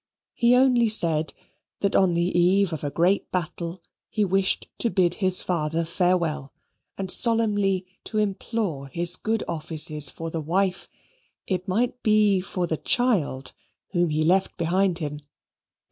He only said, that on the eve of a great battle, he wished to bid his father farewell, and solemnly to implore his good offices for the wife it might be for the child whom he left behind him.